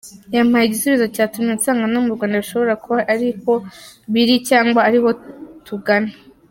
Yampaye igisubizo cyatumye nsanga no mu Rwanda bishobora kuba ariko biri cyangwa ariho tugana.